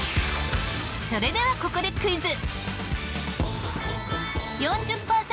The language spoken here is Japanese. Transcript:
それではここでクイズ！